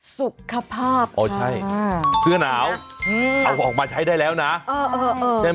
สุขภาพค่ะโอ้ใช่เสื้อหนาวเอาออกมาใช้ได้แล้วนะใช่ไหม